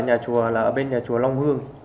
thầy ở nhà chùa là ở bên nhà chùa long hương